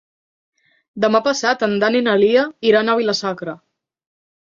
Demà passat en Dan i na Lia iran a Vila-sacra.